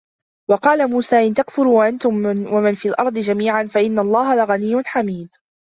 وَقَالَ مُوسَى إِنْ تَكْفُرُوا أَنْتُمْ وَمَنْ فِي الْأَرْضِ جَمِيعًا فَإِنَّ اللَّهَ لَغَنِيٌّ حَمِيدٌ